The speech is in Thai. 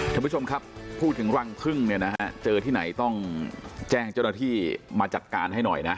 ท่านผู้ชมครับพูดถึงรังพึ่งเนี่ยนะฮะเจอที่ไหนต้องแจ้งเจ้าหน้าที่มาจัดการให้หน่อยนะ